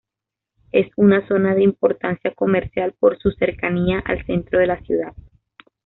Es una zona de importancia comercial por su cercanía al centro de la ciudad.